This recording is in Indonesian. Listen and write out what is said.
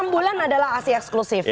enam bulan adalah aksi eksklusif